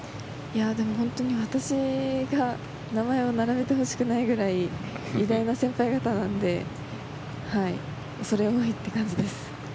でも私が名前を並べてほしくないぐらい偉大な先輩方なので恐れ多いって感じです。